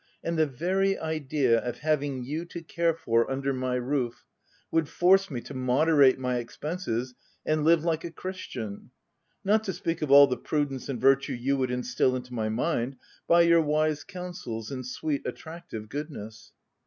And the very idea of having you to care for under my roof, would force me to moderate my expenses and live like a christian — not to speak of all the prudence and virtue you would instil into my mind by your wise counsels and sweet, attractive goodness."